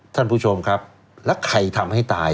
ท่านผู้ชมครับแล้วใครทำให้ตาย